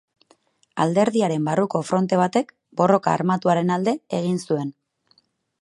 Alderdiaren barruko fronte batek borroka armatuaren alde egin zuen.